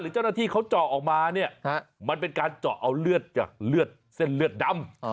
เจ้าหน้าที่เขาเจาะออกมาเนี่ยมันเป็นการเจาะเอาเลือดจากเลือดเส้นเลือดดำ